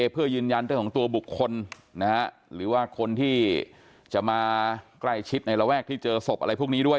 เพื่อยืนยันเรื่องของตัวบุคคลหรือว่าคนที่จะมาใกล้ชิดในระแวกที่เจอศพอะไรพวกนี้ด้วย